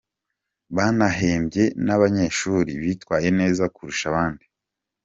Banahembye n’abanyeshuri bitwaye neza kurusha abandi.